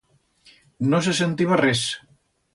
No se sentiba res.